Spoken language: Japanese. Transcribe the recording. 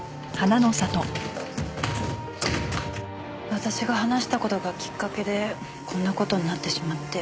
私が話した事がきっかけでこんな事になってしまって。